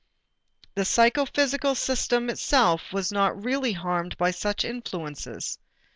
The psychophysical system itself was not really harmed by such influences.